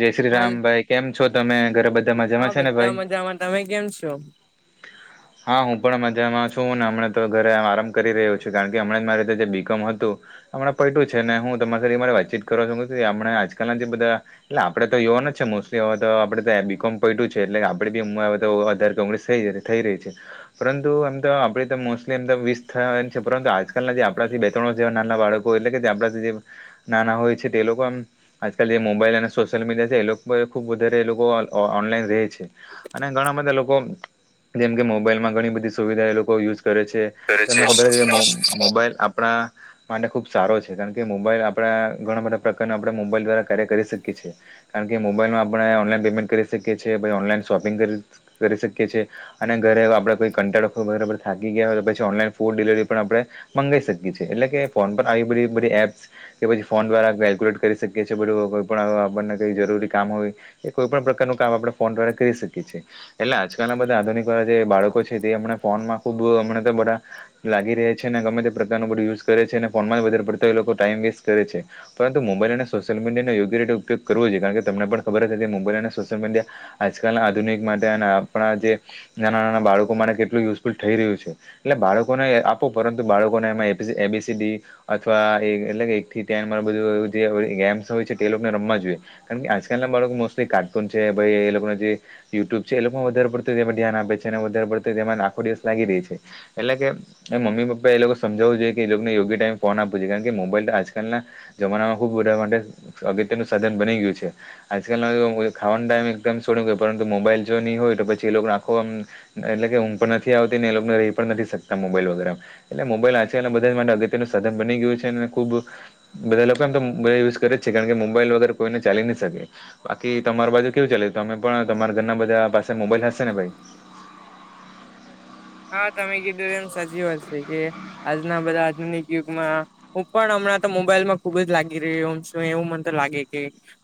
જય હાલ શ્રીરામ ભાઈ કેમ છો તમે ઘરે હા બધામાંજામાં છે ને બધા ભાઈ? મજામાં તમે કેમ છો? [inaudible] હા હું પણ મજામાં છું ને હમણા તો ઘરે આરામ કરી રહ્યો છું કારણ કે હમણાં જ મારીીતે જે બીકોમ હતું. હમણા પલટું છે ને હું તમારી મારે વાતચીત કરવા છું આપણે આજકાલના જે બધા એટલે આપડે તો યુવાન જ છે મોસ્ટલી હવે તો આપડ તો એ બી કોમ પૈટું છે એટલે આપડ બી હું હ તો અધાર કોંગ્રેસ થઈ જશે. થઈ રહી છે. પરંતુ એમ તો આપડી તો મોસ્ટલી એમ તો વિસ થયા છે પરંતુ આજકાલના જે આપણાથી બે ત્રણ જેવા નાના બાળક એટલે કે આપડા જે, ના હોય છે તે લોકો આમ આજકાલ જે મોબાઈલ અને સોશિયલ મીડિયા છે એ લોકો ખુબ વધારે એ લોકો ઓનલાઈન રહે છે, અને ઘણા બધા લોકો જેમ કે મોબાઈલમાં ઘણી બધી સુવિધા એ લોકો યુઝ કરે છે. તમને ખબર છે કે મો-મોબાઈલ આપણા માટે ખુબ સારો છે કારણ કે મોબાઈલ આપડા ઘણા બધા પ્રકારના આપણે મોબાઈલ દ્વારા કાર્ય કરી શકીએ છીએ કારણ કે મોબાઈલમાં આપણે ઓનલાન પેમેન્ટ કરી શકીએ છીએ ઓનલાઈન શોપિંગ કરી કરી શકીએ છેએ. અને ઘરે આપે કોઈ થાકી ગયા હોય તો પછી ઓનલાઈન ફૂડ ડિલિવરી પણ આપડે. મંગાઈ શકીએ એટલે કે ફોન પર આવી બધી બધી એપ્સ કે પછી ફોન દ્વારા કેલ્ક્યુલેટ કરી શકીએ છીએ બધું પણ આપણને કઈ જરૂરી કામ હોય, એ કોઈ પણ પ્રકારનું કામ આપણે ફોન દ્વારા કરી શકીએ છીએ. એટલે આજકાલ બધા આધુનિક વાળા જે બાળકો છે તે હમણાં ફોનમાં ખુબ અમણા તો બધા. લાગી રહે છે ને ગમે તે પ્રકારનું બધું યુઝ કરે છે અને ફોનમાં વધારે પડતા એ લોકો ટાઈમ વેસ્ટ કરે છે. પરંતુ મોબાઈલ અને સોશિયલ મીડિયાનો યોગ્ય રીતે ઉપયોગ કરવો જોઈએ કારણ કે તમને પણ ખબર જ હશે મોબાઈલ અને સોશિયલ મીડિયા. આજકાલના આધુનિક માટે અને આપણા જે, નાના નાના બાળકો માટે કેટલું યુઝફુલ થઈ રહ્યું છે. એટલે બાળકોને આપો પરંતુ બાળકોને એમાં એપી-એ બી સી ડી. અથવા એટલે કે એક થી ત્યાં મા બધું ગેમ્સ હોય છે. એ લોકોને રમવા જોઈએ, કારણ કે આજકાલ ના બાળકો મોસલી કાર્ટૂન છે ભાઈ એ લોકો જે યુટ્યુબ છે એ લોકો વધારે પડતું એમાં ધ્યાન આપે છે અને વધારે પડતું તેમાં આખો દિવસ લાગી રહી છે, એટલે કે એ મમ્મી પપ્પા એ લોકો સમજાવવું જોએ એ લોકને યોગ્ય ટાઈમે ફોન આપવું છે કારણ કે મોબાઈલ આજકાલના જમાનામાં ખુબ બધા માટે અગત્યનું સાધન બની ગયું છે. આજકાલમાં ખાવાનું ટાઈમ એકદમ સોય પરંતુ મોબાઈલ જો ની હોય તો પછી એ લોકો ને આખું આમ એટલે કે ઊગ પણ નથી આવતી ને એ લોકોને રહી પણ નથી શકતા મોબાઈલ વગેરે એમ. એટલે મોબાઈલ આજકાલના બધા માટે અગત્યનું સધન બની ગયું છે અને ખુબ બધા લોકો એમ તો યુઝ કરે જ છે, કારણ કે મોબાઈલ વગેરે કોઈને ચાલી ની શકે. બાકી તમાર બાજુ કેવું ચાલે તમે પણ તમારા ઘરના બધા પાસે મોબાઈલ હશે ને ભાઈ? હા તમે કીધું એમ સાચી વાત છે કે આજના બધા આધુનિક યુગમાં. હું પણ હમણાં તો મોબાઈલમાં ખુબ જ લાગી રહ્યોમ છ એવું મને તો લાગે કે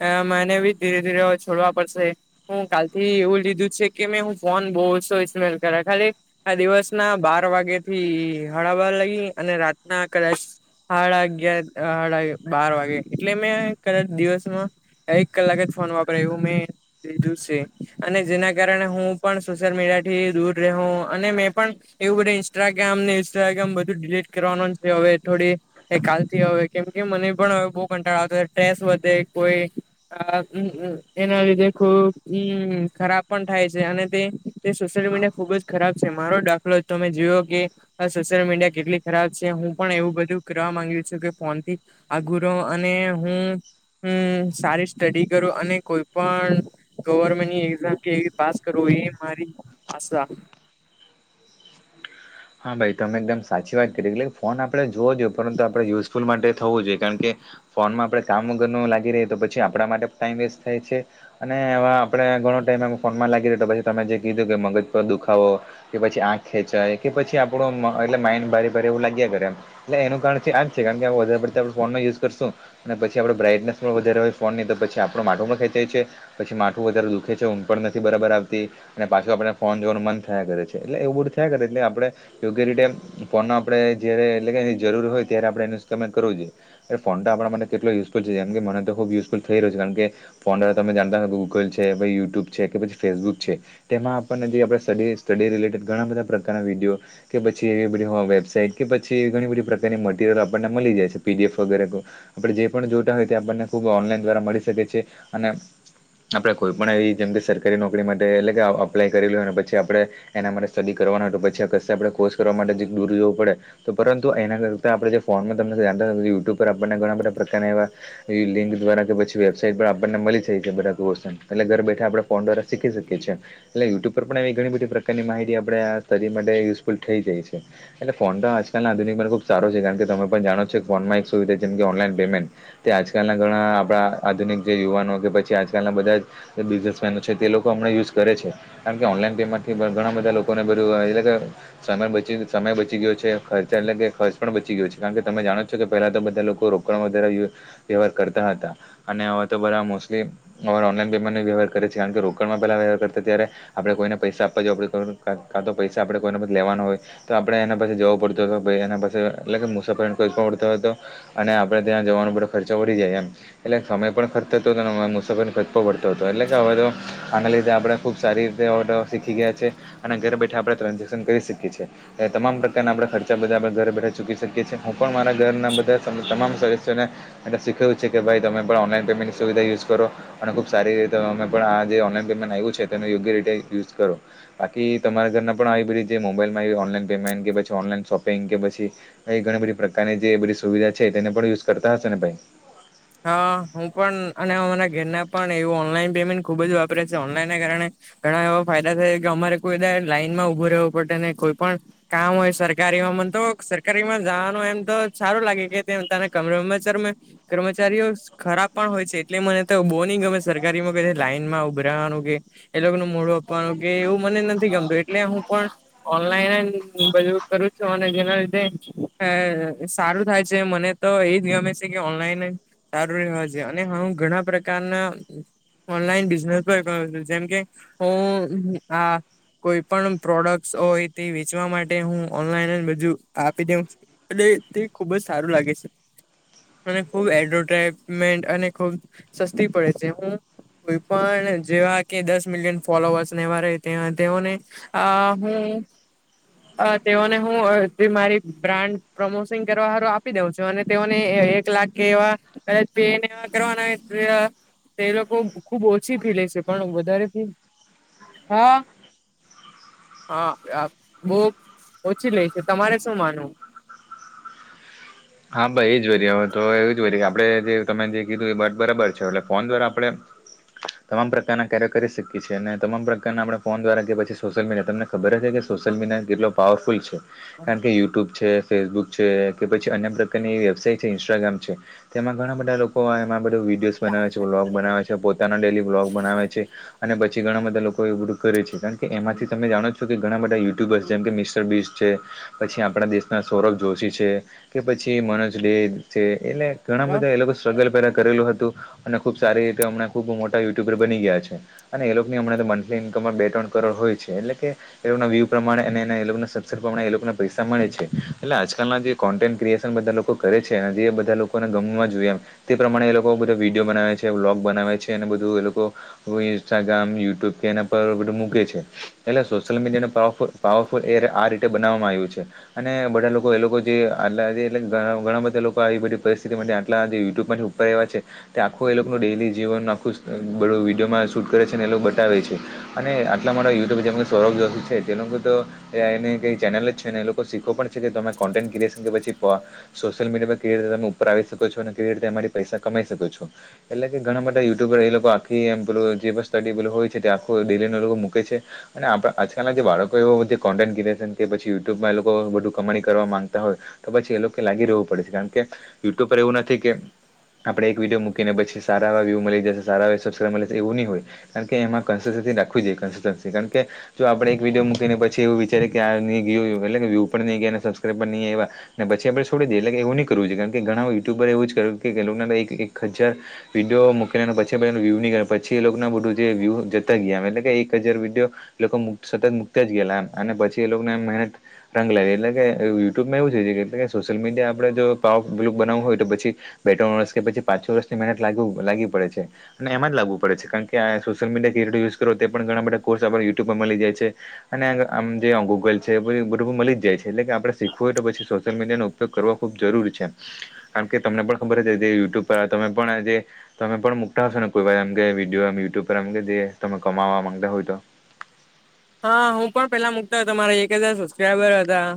એ મને બી ધીરે ધીરે છોડવા પડશે. હું કાલથી એવું લીધું છે કે મેં હું ફોન બવ ઓછો ઈસ્ટમેલ કરા, ખાલી આ દિવસના બાર વાગ્યા થી હળબા લઈ અને રાતના કદાચ સાડા અગિયાર, બાર વાગે એટલે મેં કદાચ દિવસમાં એક કલાક જ ફોન વાપરે એવું મેં લીધું છે, અને જેના કારણે હું પણ સોશિયલ મીડિયા થી દૂર રેહુ અને મેં પણ એવું બધા ઇન્સ્ટાગ્રામ ને ઇન્ટ્રાગામ બધું ડીલીટ કરવાનું છે હવે થોડી. એ કાલથી હવે કેમ કે મને પણ હવે બહુ કંટાળાતો આવતો ટેસ વધે કોઈ અ એના લીધે ખુબ હમ ખરાબ પણ થાય છે અને તે તે સોશિયલ મીડિયા ખુબ જ ખરાબ છે, મારો દાખલો તમે જોઓ કે આ સોશિયલ મીડિયા કેટલી ખરાબ છે હું પણ એવું બધું કરવા માંગુ છું કે ફોનથી આઘુ રહુ અને હું હુ સારી સ્ટડી કરું અને કોઈ પણ ગવર્મેન્ટની એક્ઝામ કેવી પાસ કરવો એ મારી આશા. હા ભાઈ તમે એકદમ સાચી વાત કરી એટલે ફોન આપણે જોવો જોઈએ પરંતુ આપણે યુઝફુલ માટે થવું જોઈએ, કારણ કે ફોનમાં આપણે કામ વગરનું લાગી રહી તો પછી આપણા માટે પણ ટાઈમ વેસ્ટ થાય છે. અને એવા આપડે ઘણો ટાઈમ એ ફોનમાં લાગી રહ્યો પછી તમે જે કીધું કે મગજ પર દુખાવો. કે પછી આંખ ખેંચાય કે પછી આપણું એટલે માઇન્ડ ભારે ભારે એવું લાગ્યા કરે એમ. એટલે એનું કારણ છે આજ છે કારણ કે વધારે પડતું આપ ફોન નો યુઝ કરશું. અને પછી આપડો બ્રાઇટનેસ પણ વધારે હોય ફોન ની તો પછી આપણો માટું પણ ખંચાય છે. પછી માથું વધારે દુખે છે ઊંગ પણ નથી બરાબર આવતી. અને પાછું આપડને ફોન જોવાનું મ થયા કરે છે એટલે એવું બધું થયા કરે એટ આપ, યોગ્ય રીતે ફોન ન આપડે જયારે એટલે જરૂરી હોય ત્યારે આપડણેમેન્ટ કરવું જોઈએ. એ ફોન તો આપણા માટે કેટલો ઝફુલ છે જેમ કે મને ખૂબ યુઝફુલ થઈ રહ્યું છે કારણ કે ફોન દ્વારા તમે જાણતા હો ગૂગલ છે પછી યુટ્યુબ છે કે પછી ફેસબુક છે. તેમાં આપણનેજી આપણે સ્ટ સ્ટડી રિલેટેડ ઘણા બધા પ્રકારના વિડીયો. કે પછી એવી બધી વેબસાઇટ કે પછી એવી ઘણી બધી પ્રકારની મટીરિયલ આપણને મળી જાય છે પીડીએફ વગેરે. આપણે જે પણ જોતા હોય તે આપણને ખુબ ઓનલાઈન દ્વારા મળી શકે છે, અને આપણે કોઈ પણ એવી જેમ કે સરકારી નોકરી માટે એટલે કે અપ્લાય કરી લું અને પછી આપણે એના માટે સ્ટડી કરવાનું હત હતો પછી આકશ આપણે કોર્સ કરવા માટે દૂર જવું પડે. તો પરંતુ એના કરતા આપણે જે ફોનમાં તમને યુટ્યુબ પર આપણને ઘણા બધા પ્રકારના એવા લિંક દ્વારા કે પછી વેબસાઇટ આપણને મળી શ છે બધાન એટલે ઘર બેઠા આપણે ફોન દ્વારા શીખી શકીએ છીએ. એટલે યુટ્યુબ પર પણ આવી ઘણી બધી પ્રકારની માહિતી આપે સ્ટદી માટે યુઝફુલ થઈ જાય છે. એટલે ફોન તો આજકાલના આધુનિકમાં ખુબ સારો છે કારણ તમે પણ જાણો કે ફોનમાં એક સુવિધા જેમ કે ઓનલાઈન પેમેન્ટ. તે આજકાલના ઘણા આપણા આધુનિક જે યુવાનો કે પછી આજકાલના બધા જ બિઝનેસમેનો છે તે લોકોમં યુઝ કરે છે, કારણ કે ઓનલાન પેમેન્ટથી ઘણા બધા લોકોને અ [unintelligible] સમય સમય બચી ગયો છે ખર્ચા એટલે કે ખર્ચ પણ બચી ગયો છે કારણ કે તમે જાણો છો કે પહેલા તો બધા લોકો રો વ્યવહાર કરતા હતા, અને હવે તો બધા મોલી હવે ઓનલાઈન પેમેન્ટ ન વ્યવહ કરે છે કારણ કે રોકડમાં પેલા વ્યવહાર કર ત્યારે આપડ કોઈને પૈસા આપવા જોએ આપ કા તો પૈસા આપડે કોઈને લેવાના હોય. તો આપડણે એના પાસે જવો પડતો હતો ભ એના પાસે એટલે કે મુસાફરો કર પડતો હતો. અને આપણે ત્યાં જવાનો બડ ખર્ચો ઓળી જાય એમ. એટલે સમય પણ ખર્ થતો હતો અને મુસાફ ખચકોો પડતો હતો એટલે કે હવે તો આના લીધે આપડે ખુબ સારી રીતે ઓર્ડો શીખી ગયા છે. તરે બેઠા આપણે ટ્રાન્ઝેક્શન કરી સકીએ છે. તમામ પ્રકારના આપણેે ખર્ચા બધા આપણે ઘરે બે ચૂકી શકીએ છીએ હું પણ મારા ઘરના બધા તમામ સદસ્યોને. એટલે શીખે્યું છે કે ભાઈ તમે પણ ઓનલાઈન પેમેન્ટની સુવિધા યુઝ કરો. અને ખુબ સારી રીતેમે પણ આ જે ઓનલાઈન પેમેન્ટ આવ્યું છે તેનો યોગ્ય રીતે યુઝ કરો, બાકી તમારા ઘરના પણ આવી બધી જે મોબાઈલમાં આવી ઓનલાઈન પેમેન્ટ કે પછી ઓનલાઈન શોપિંગ કે પછી એ ઘણી બધી પ્રકારની જે બધી સુવિધા છે તેને પણ યુઝ કરતા હશે ને ભાઈ? હા હું પણ અને અમારા ઘરના પણ એવું ઓનલાઈન પેમેન્ટ ખુબ જ વાપરે છે ઓનલાઈનને કારણે ઘણા એવા ફાયદા થાય કે અમારે કોઈ બદા લાઈનમાં ઉભો રહેવું પડે ને કોઈ પણ કામ હોય સરકારીમાં મને તો સરકારીમાં જવાનું એમ તો સારું લાગે કે તને કમરેચરમે કર્મચારીઓ ખરાબ પણ હોય છે એટલે મને તો બહુ નહી ગમે સરકારીમાં ક લાઈનમાં ઉભરાવાનું કે એ લોકો ન મોડું આપવાનું કે એવું મને નથી. નથી ગમતું એટલે હું પણ ઓનલાઈન બધું કરું છું અને જેના લીધે અ સારું થાય છે મને તો એ જ ગમે છે કે ઓનલાઈન સારું રહેવા છે અને હ ઘણા પ્રકારના ઓનલાઈન બિઝનેસ જેમકે હ આ કોઈ પણ પ્રોડક્ટ હોય તે વેચવા માટે હું ઓનલાઈન બજું આપી દઉં. એટલે તે ખુબ જ સારું લાગે છે અને ખુબ એડ્રોરવમેન્ટ અને ખુબ સસ્તી પડે છે હું કોઈ પણ જેવા કે દસ મિલિયન ફોલોવર્સનેવા રહે તેઓને હા હું અ તેઓને હું મારી બ્રાન્ડ પ્રમોસિંગ કરવારું આપી દઉં છું. અને તેઓને એક લાખ એવા કચ પ એ કરવાનાય તો એ લોકો ખુબ ઓછી ફી લે છે પણ વધારે ફી હા હા બહુ ઓછી લે છે. તમારે શું માનવું? હા ભાઈ એ જ વ હોય તો એ જ વ કે આપણેે જે તમે જે કીધું એ બ બરાબર છે. એટલે ફોન દ્વારા આપણે [inaudible] તમામ પ્રકારના કાર્ય કરી શકીએ છીએ અને તમામ પ્રકારના આપણે ફોન દ્વારા કે પછી સોશિયલ મીડિયા તમને ખબર જ એટલે સોશિયલ મીડિયા કેટલો પાવરફુલ છે કારણ કે યુટ્યુબ છે ફેસબુક છે કે પછી અન્ય પ્રકારની વેબસાઇટ છે ઇન્સ્ટાગ્રામ છે તેમાં ઘણા બધા લોકો એમાં બધો વિડીયોસ બનાવે છે વ્લોગ બનાવે છે પોતાના ડેલી વ્લોગ બનાવે છે અને પછી ઘણા બધા લોકો એવું કરે છે. કારણ કે એમાંથી તમે જાણો છો કે ઘણા બધા યુટ્યુબરસ જેમ કે મિસ મિસ્ટર બીસ્ટ પછી આપણા દેશના સૌરભ જોશી છે કે પછી મનોજ ડે છે એટલે ઘણા હા બધા એ લોકો સ્ટ્રગલ પહેલા કરેલું હતું અને ખુબ સારી રીતે હમણાં ખુબ મોટા યુટ્યુબર બની ગયા છે. અને એ લોકોની હમણાં મંથલી ઇન્કમમાં બે ત્રણ કરોડ હોય છે એટલે કે એ લોકો વ્યુ પ્રમાણે અને સબસ્ક્રીસન પ્રમાણે એ લોકો પૈસા મળે છે એટલે આજકાલના જે કોન્ટેન્ટ ક્રીએશન બધા લોકો કરે છે અને જે બધા લોકોને ગમવા જોઈએ એમ. તે પ્રમાણે એ લોકો બધા વિડીયો બનાવે છે વ્લોગ બનાવે છે અને બધું એ લોકો ઇન્સ્ટાગ્રામ યુટ્યુબ કે એના પર બધુ મૂકે છે. એટલે સોશિયલ મીડિયા ને પાવરફુલ પાવરફુલ એ આ રીતે બનાવવામાં આવ્યું છે. અને બધા લોકો એ લોકો જે આટલા એટલેણા ઘણા બધા લોકો આવી બધી પરિસ્થિતિમાં આટલા યુટ્યુબ માંથી ઉપર આયવા છે. તે આખું એલોકોનુ ડેલી જીવન આખું વિડીયોમાં શૂટ કરે છે ને એ લોકો બતાવે છે. અને આટલા માટે યુટ્યુબ જેમ સૌરભ જોશી છે તે લોકો તો એ એની કઈ ચેનલ જ છે ને એ લોકો શીખો છે કે તમે કોન્ટેન્ટ ક્રીએસન સોશિયલ મીડિયા કેવી રીતે તમે ઉપર આવી શકો છો અને કેવી રીતે અમારી પૈસા કમાઈ શકો છો. એટલે કે ઘણા બધા યુટ્યુબર એ લોકો આખી એમ પેલુ જે સ્ટુડિએબલ હોય છે તે આખો ડેલી એ લોકો મૂકે છે. અને આપણા આજકાલના જે બાળકો એવો જે કોન્ટેન્ટ ક્રિએશન કે પછી યુટ્યુબમાં એ લોકો વધુ કમાણી કરવા માંગતા હોય તો પછી એ લોકો લાગી રહેવું પડે છે કારણ કે યુટ્યુબ પર એવું નથી કે આપણે એક વિડીયો મકીને પછી સારાવા વ્યુ મળી જશે સારા એ શાસક્રાયબ મળી જશે એવું નય હોય. કારણ કે એમાં કોન્સિસ્ટન્સી રાખવી જોઈએ કોન્સિસ્ટન્સી કારણ કે જો આપણે એક વિડીયો મૂકીને પછી એવું વિચારીએ કે આ ગય એટ કે વ્યુ પણ નહીઈ ગયા સબસ્ક્રાઈબ પર નહીં આયવા. પછી આપણે છોડી દઈએ એટલે કે એવું નં કરવું છે કારણ કે ઘણા યુટ્યુબર એવું કર્યું એક હજાર વિડીયો મૂકીને અને પછી વ્યુ ના ગ્યા પછી બધું વ્યુ જતા ગયા એટલે કે એક હજાર વિડીયો લોકો મુ સતત મુક્ત જ ગયેલા અને પછી એ લોકોને, મહેનત રંગ લાવી એટલે કે યુટ્યુબમાં એવું છે કે સોશિલ મડિયા આપણે જો પાવર પેલુ બનાવું હોય તોછી બે ત્રણ વર્ષ કે પછી પાંચો વર્ષની મેહનત લાગ લાગી પડે છે. અને એમાં જ લાગવું પડે છે કારણ કે આ સોશિયલ મીડિયા કેય રતે યુઝ કરોવો તે પણ ઘણા બધા કોર્સ આપણે યુટ્યુબ પર મળી જાય છે. અને આમ જે ગુગલ છે બધું મળી જાય છે એટલે કે આપડે શીખવું હોય તો પછી સોશિયલ મીડિયાનો ઉપયોગ કરવો ખુબ જરૂરી છે. કારણ કે તમને પણ ખબર હ જે યુટ્યુબ પર તમે પણ જે તમે પણ મુકતા હશો ને કોઈ વા એમ કે વિડીયોમ યુટ્યુબ પર એ કે જે તમે કમાવા માંગતા હોય તો? હા હું પણ પેલા મુકતા હતો મારા એક હજાર સબસ્ક્રાઈબર હતા.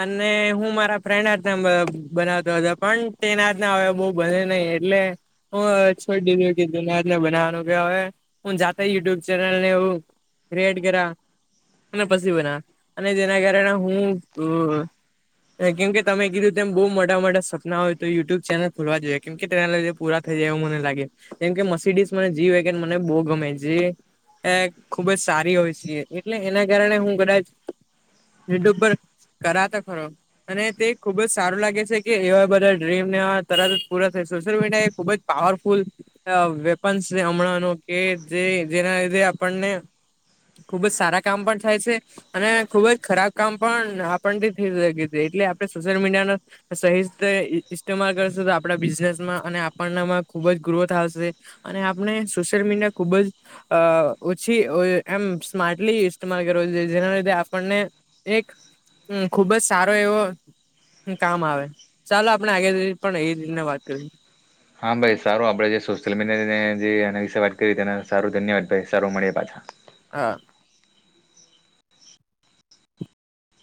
અને હું મારા ફ્રેન્ડ હથના બનાવતો હતો પણ તેના હથના હવે બહ બને નહી. લે હું હ છોડી દીધધને બનાવાનું કે હવે હું જાતો યુટ્યુબ ચેનલને એવું. રેડ ગરા અને પછી બના, અને જેના કારણે હું કેમ કે તમે કીધું તેમ બહુ મોટા મોટા સપના હોય તો યુટ્યુબ ચેનલ ખોલવા જોઈએ કેમ કે તેના લધે પૂરા થઈ જાય એવું મને લાગે, કેમ કે મસડીસ મને જી વેગન મને બહુ ગમે. એ ખુબ જ સારી હોય છેીએ એટલે એના કારણે હું કદાચ હયુટ્યુબ બર કરા તો ખરો. અને તે ખુબ જ સારું લાગે છે કે એવા બધા ડ્રીમને તરત જ પૂરા થાય સોશિયલ મીડિયા એ ખુબ જ પાવરફુલ વેપન્સ છે હમણાંનો કે જે જેના લીધે આપણને ખુબ જ સારા કામ પણ થાય છે. અને ખુબ જ ખરાબ કામ પણ આપણથી થઈ એટલે આપણે સોશિયલ મીડિયા ના સહી રીતે ઇસ્ટેમાલ કરશે તો આપણા બિઝનેસમાં અને આપણમાં ખુબ જ ગ્રોથ આવશે. અને આપણે સોસલ મીડિયા ખુબ જ ઓછી એમ સ્માર્ટલી ઇસ્ટમાંલ કરવું જોઈએ જેના લીધે આપણને એક હમમ ખુબ જ સારો એવો કામ આવે, ચાલો આપણે આગળ પણ એ જ રીતે વાત કરીએ. હા ભાઈ સારું આપણેે જે સોશિયલ મીડિયા અને જે એના વિશે વાત કરી તેને સારું ધન્યવાદ ભાઈ સારું મળએ પાછા. હા હા.